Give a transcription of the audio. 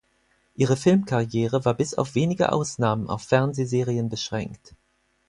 Ihre Filmkarriere war bis auf wenige Ausnahmen auf Fernsehserien beschränkt.